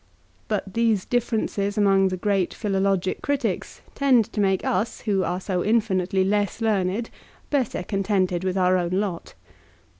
But these differences among the great philologic critics tend to make us, who are so infinitely less learned, better contented with our own lot.